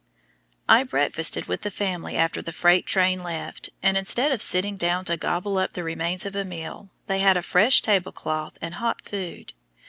I breakfasted with the family after the freight train left, and instead of sitting down to gobble up the remains of a meal, they had a fresh table cloth and hot food.